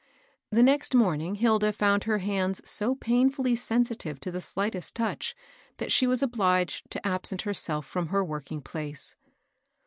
The next morning Hilda found her hands so painfully sensitive to the sUghtest touch that she was obliged to absent herself from her working place.